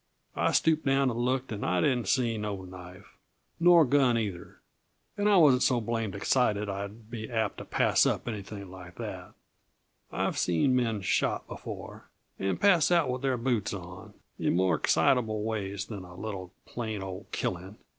I stooped down and looked, and I didn't see no knife nor gun, either. And I wasn't so blamed excited I'd be apt to pass up anything like that; I've seen men shot before, and pass out with their boots on, in more excitable ways than a little, plain, old killing.